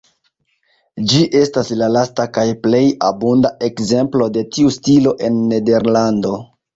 Ĝi estas la lasta kaj plej abunda ekzemplo de tiu stilo en Nederlando.